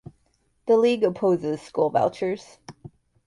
The League opposes school vouchers.